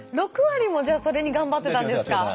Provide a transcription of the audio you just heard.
６割もそれに頑張ってたんですか？